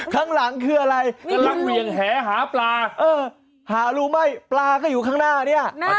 ข้างหลังคืออะไรกำลังเหวี่ยงแหหาปลาเออหารู้ไหมปลาก็อยู่ข้างหน้าเนี่ย